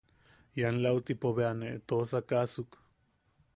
Ian lautipo bea nee toʼosakaʼasuk.